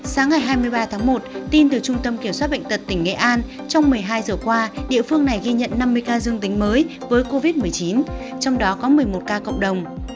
sáng ngày hai mươi ba tháng một tin từ trung tâm kiểm soát bệnh tật tỉnh nghệ an trong một mươi hai giờ qua địa phương này ghi nhận năm mươi ca dương tính mới với covid một mươi chín trong đó có một mươi một ca cộng đồng